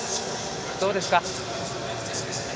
どうですか？